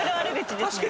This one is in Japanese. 確かに！